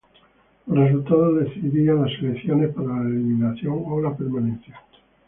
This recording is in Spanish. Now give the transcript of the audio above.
Los resultados decidían las selecciones para la eliminación o la permanencia.